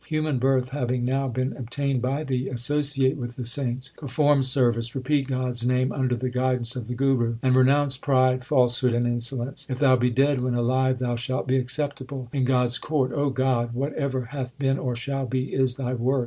Human birth having now been obtained by thee, associate with the saints, Perform service, repeat God s name under the guidance of the Guru, And renounce pride, falsehood, and insolence. If thou be dead when alive, thou shalt be acceptable in God s court. God, whatever hath been or shall be is Thy work.